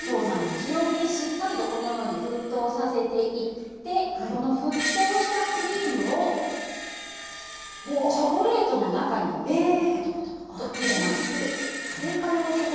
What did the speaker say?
強火で、しっかりと沸騰させていって沸騰したクリームをチョコレートの中にとぽとぽっと入れます。